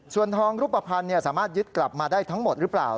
ส่วนทองรูปภัณฑ์สามารถยึดกลับมาได้ทั้งหมดหรือเปล่า